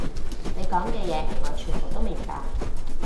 你講嘅嘢，我全部都明白